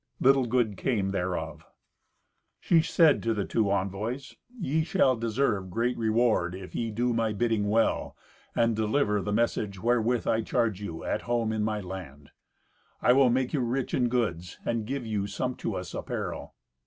Little good came thereof. She said to the two envoys, "Ye shall deserve great reward if ye do my bidding well, and deliver the message wherewith I charge you, at home, in my land. I will make you rich in goods, and give you sumptuous apparel.